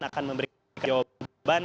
akan memberikan jawaban